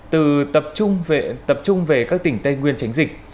từ tập trung về các tỉnh tây nguyên tránh dịch